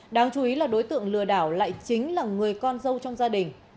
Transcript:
đáng chú ý là đối tượng lừa đảo lại chính là người con dâu trong gia đình